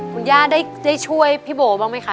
คุณย่าได้ช่วยพี่โบบ้างไหมคะ